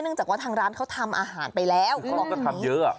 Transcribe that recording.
เนื่องจากว่าทางร้านเขาทำอาหารไปแล้วเขาก็ทำเยอะ